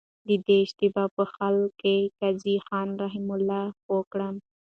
د دې اشتباه په حل کي قاضي خان رحمه الله پوه کړم.